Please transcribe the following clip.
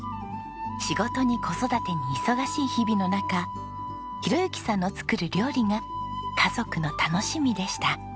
仕事に子育てに忙しい日々の中宏幸さんの作る料理が家族の楽しみでした。